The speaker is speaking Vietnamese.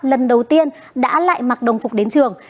lần đầu tiên đã lại mặc đồng phục đến trường